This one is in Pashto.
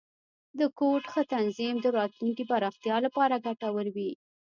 د کوډ ښه تنظیم، د راتلونکي پراختیا لپاره ګټور وي.